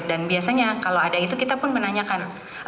dan biasanya kalau ada itu kita pun menanyakan